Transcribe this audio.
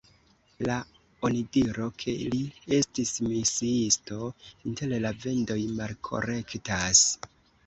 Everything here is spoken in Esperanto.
La onidiro ke li estis misiisto inter la Vendoj malkorektas.